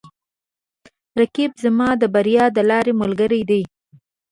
رقیب زما د بریا د لارې ملګری دی